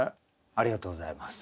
ありがとうございます。